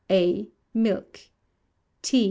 A. Milk. T.